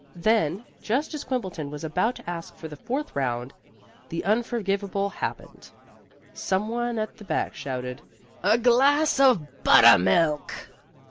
Then, just as Quimbleton was about to ask for the fourth round, the unforgiveable happened. Some one at the back shouted, "A glass of buttermilk!"